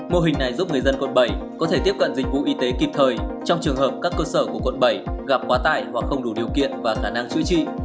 mô hình này giúp người dân quận bảy có thể tiếp cận dịch vụ y tế kịp thời trong trường hợp các cơ sở của quận bảy gặp quá tải hoặc không đủ điều kiện và khả năng chữa trị